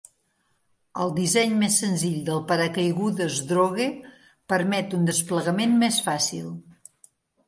El disseny més senzill del paracaigudes drogue permet un desplegament més fàcil.